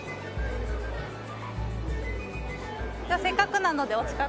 じゃあせっかくなのでお近くで。